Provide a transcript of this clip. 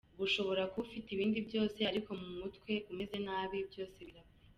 Ushobora kuba ufite ibindi byose ariko mu mutwe umeze nabi, byose birapfa.